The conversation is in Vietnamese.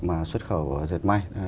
mà xuất khẩu diệt may